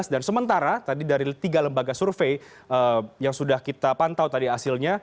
dan sementara tadi dari tiga lembaga survei yang sudah kita pantau tadi hasilnya